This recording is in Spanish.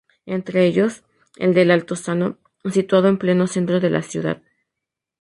Entre ellos, el del Altozano, situado en pleno centro de la ciudad.